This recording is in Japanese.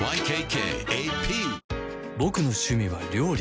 ボクの趣味は料理